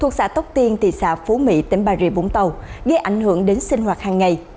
thuộc xã tóc tiên thị xã phú mỹ tỉnh bà rịa vũng tàu gây ảnh hưởng đến sinh hoạt hàng ngày